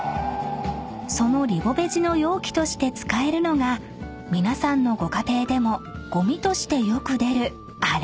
［そのリボベジの容器として使えるのが皆さんのご家庭でもゴミとしてよく出るあれ］